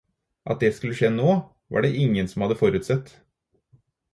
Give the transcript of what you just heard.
At det skulle skje nå, var det ingen som hadde forutsett.